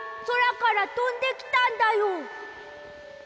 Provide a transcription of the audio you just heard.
そらからとんできたんだよ。